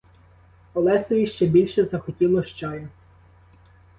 Олесеві ще більше захотілось чаю.